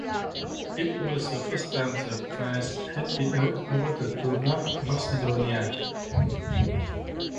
It was the first time the prize had been awarded to North Macedonia.